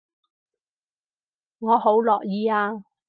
我好樂意啊